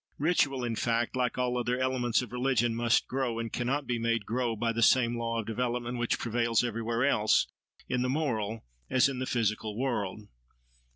Ritual, in fact, like all other elements of religion, must grow and cannot be made—grow by the same law of development which prevails everywhere else, in the moral as in the physical world.